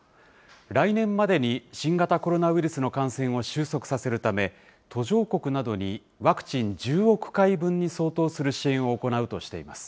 来年までに新型コロナウイルスの感染を収束させるため、途上国などにワクチン１０億回分に相当する支援を行うとしています。